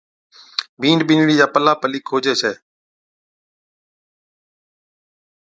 بِينڏَ بِينڏڙِي چا پلا پلِي کوجي ڇَي